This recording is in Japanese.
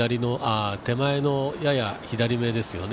手前のやや左ですよね。